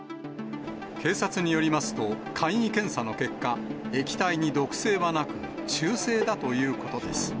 警察によりますと、簡易検査の結果、液体に毒性はなく、中性だということです。